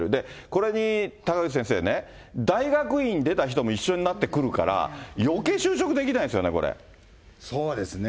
これに高口先生ね、大学院出た人も一緒になって来るから、よけい就職できないですよね、そうですね。